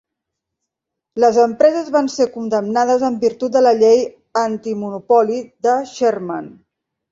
Les empreses van ser condemnades en virtut de la Llei Antimonopoli de Sherman.